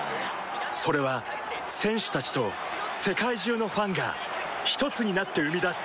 それは選手たちと世界中のファンがひとつになって生み出す